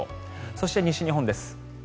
そして西日本です。